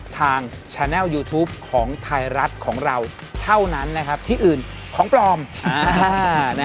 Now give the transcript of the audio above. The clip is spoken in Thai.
ทางแชนแลล์ยูทูปของไทยรัฐของเราเท่านั้นนะครับที่อื่นของปลอม